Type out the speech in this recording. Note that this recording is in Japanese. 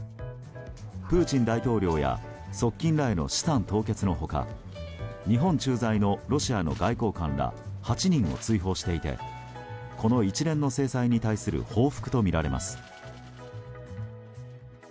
プーチン大統領や側近らへの資産凍結の他日本駐在のロシアの外交官ら８人を追放していてこの一連の制裁に対する報復とみられます。